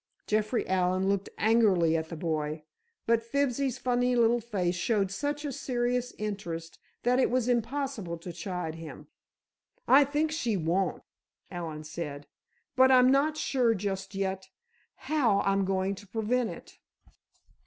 Jeffrey Allen looked angrily at the boy, but Fibsy's funny little face showed such a serious interest that it was impossible to chide him. "I think she won't!" Allen said, "but I'm not sure just yet how I'm going to prevent it."